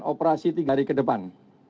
operasi tiga hari ke depan